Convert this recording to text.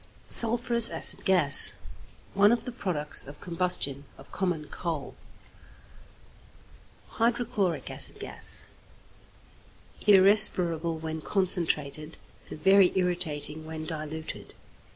=Sulphurous Acid Gas.= One of the products of combustion of common coal. =Hydrochloric Acid Gas.= Irrespirable when concentrated, and very irritating when diluted.